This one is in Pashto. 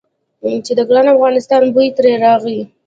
چې د ګران افغانستان بوی ترې راغی.